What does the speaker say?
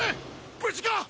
無事か！？